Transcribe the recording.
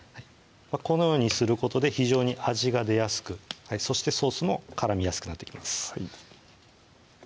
このようにすることで非常に味が出やすくそしてソースも絡みやすくなってきます